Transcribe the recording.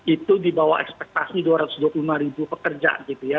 itu di bawah ekspektasi dua ratus dua puluh lima ribu pekerja gitu ya